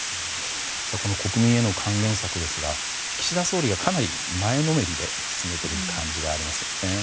この国民への還元策ですが岸田総理がかなり前のめりで進めてる感じがありますよね。